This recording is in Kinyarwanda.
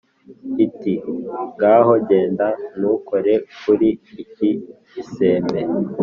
Iti”ngaho genda ntukore kuri iki gisembe